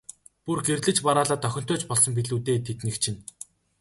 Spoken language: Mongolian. Бүр гэрлэж бараалаад охинтой ч болсон билүү дээ, тэднийх чинь.